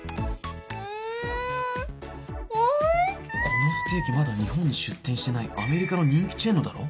このステーキまだ日本に出店してないアメリカの人気チェーンのだろ？